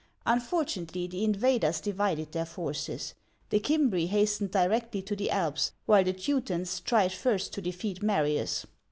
Fortunately, the invaders divided their forces: the Cimbri hastened directly to the Alps, while the Teutons tried first to defeat Marius.